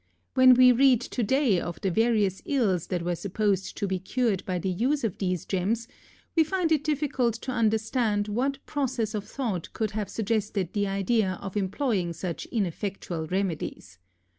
When we read to day of the various ills that were supposed to be cured by the use of these gems, we find it difficult to understand what process of thought could have suggested the idea of employing such ineffectual remedies.